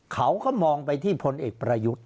เขาก็มองไปที่พลเอกประยุทธ์